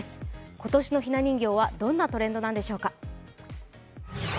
今年のひな人形はどんなトレンドなんでしょうか。